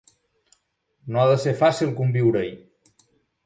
No ha de ser fàcil conviure-hi.